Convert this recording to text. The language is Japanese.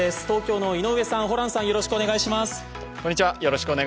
東京の井上さん、ホランさん、よろしくお願いします。